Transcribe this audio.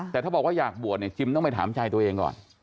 แต่ถ้าบอกว่าอยากบวชเนี่ยจิมต้องไปถามใจตัวเองก่อน